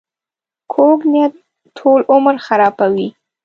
کوږ نیت ټول عمر خرابوي